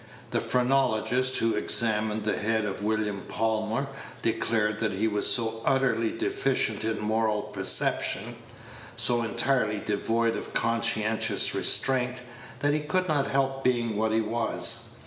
The phrenologists who examined the head of William Palmer declared that he was so utterly deficient in moral perception, so entirely devoid of conscientious restraint, that he could not help being what he was.